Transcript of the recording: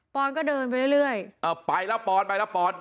ปอนด์ก็เดินไปเรื่อยไปแล้วปอนด์